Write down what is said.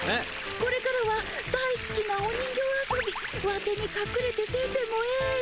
これからは大すきなお人形遊びワテにかくれてせんでもええよ。